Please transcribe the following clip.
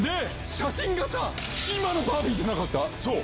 写真がさ、今のバービーじゃなかそう。